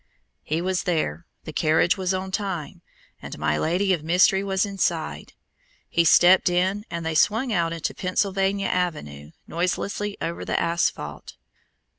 He was there; the carriage was on time; and my lady of mystery was inside. He stepped in and they swung out into Pennsylvania Avenue, noiselessly over the asphalt.